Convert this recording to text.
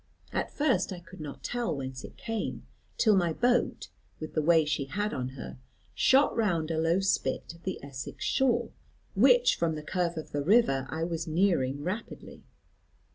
At first I could not tell whence it came, till my boat, with the way she had on her, shot round a low spit of the Essex shore, which from the curve of the river I was nearing rapidly.